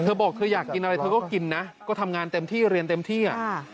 บอกเธออยากกินอะไรเธอก็กินนะก็ทำงานเต็มที่เรียนเต็มที่